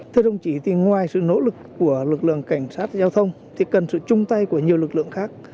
thưa đồng chí thì ngoài sự nỗ lực của lực lượng cảnh sát giao thông thì cần sự chung tay của nhiều lực lượng khác